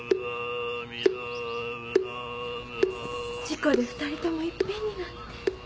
事故で２人ともいっぺんになんて。